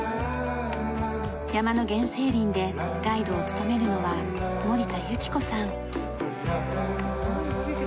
山の原生林でガイドを務めるのは森田由樹子さん。